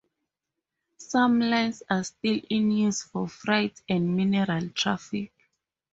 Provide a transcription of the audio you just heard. Some lines are still in use for freight and mineral traffic.